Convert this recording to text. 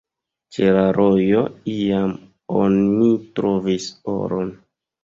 Ĉe la rojo iam oni trovis oron.